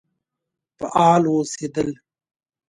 فعال اوسېدل.